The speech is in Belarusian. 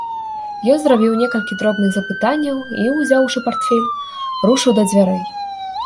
Ён зрабіў некалькі дробных запытанняў і, узяўшы партфель, рушыў да дзвярэй.